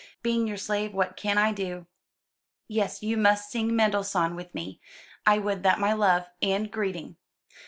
'Being your slave what can I do '" "Yes, you must sing Mendelssohn with me. 'I would that my love,' and 'Greeting.'"